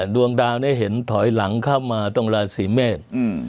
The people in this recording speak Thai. ดวงดาวเห็นถอยหลังเข้ามาตรงราศีเมษ